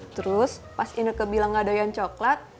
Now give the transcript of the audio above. terus pas indeke bilang ada yang coklat